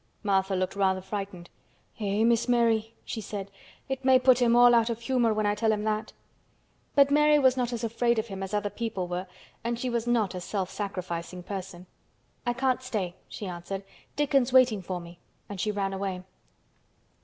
Martha looked rather frightened. "Eh! Miss Mary," she said, "it may put him all out of humor when I tell him that." But Mary was not as afraid of him as other people were and she was not a self sacrificing person. "I can't stay," she answered. "Dickon's waiting for me;" and she ran away.